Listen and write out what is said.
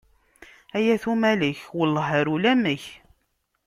Ay at Umalek, welleh ar ulamek.